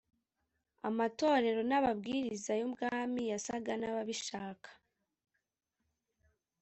amatorero n ababwiriza y Ubwami yasaga nababishaka